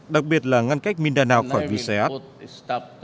đặc biệt là ngăn cách mindanao khỏi viseas